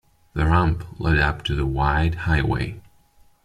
The ramp led up to the wide highway.